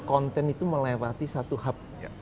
konten itu melewati satu hub